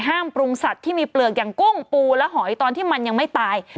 ปรุงสัตว์ที่มีเปลือกอย่างกุ้งปูและหอยตอนที่มันยังไม่ตาย